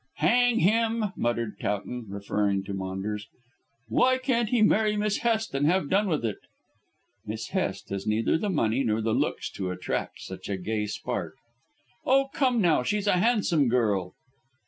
"Hang him," muttered Towton, referring to Maunders. "Why can't he marry Miss Hest and have done with it." "Miss Hest has neither the money nor the looks to attract such a gay spark." "Oh, come now, she's a handsome girl."